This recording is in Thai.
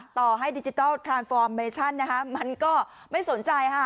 ต่อให้ดิจิทัลทรานฟอร์มเมชั่นนะคะมันก็ไม่สนใจค่ะ